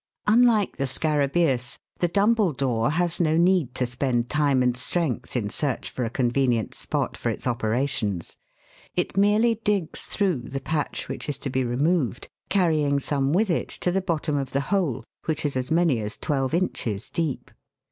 Unlike the Scarabaeus, the Dumble Dor has no need to spend time and strength in search for a convenient spot WHAT BECOMES OF THE BIRDS' NESTS. 225 for its operations. It merely digs through the patch which is to be removed, carrying some with it to the bottom of the hole, which is as many as twelve inches deep.